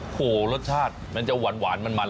พ่อรสชาติมันจะหวานมัน